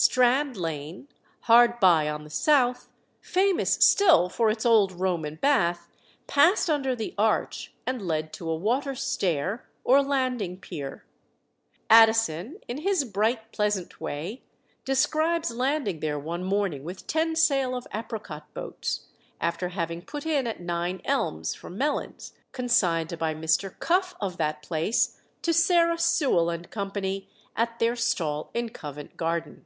Strand Lane, hard by on the south, famous still for its old Roman bath, passed under the arch, and led to a water stair or landing pier. Addison, in his bright pleasant way, describes landing there one morning with ten sail of apricot boats, after having put in at Nine Elms for melons, consigned by Mr. Cuffe of that place to Sarah Sewell and Company at their stall in Covent Garden.